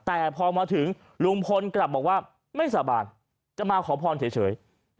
แต่พอมาถึงลุงพลกลับบอกว่าไม่สาบานจะมาขอพรเฉย